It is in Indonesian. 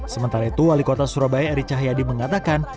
sementara itu wali kota surabaya eri cahyadi mengatakan